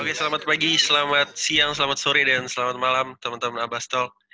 oke selamat pagi selamat siang selamat sore dan selamat malam temen temen abastalk